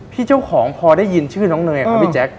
พี่เจ้าของพอได้ยินชื่อน้องเนยครับพี่แจ๊ค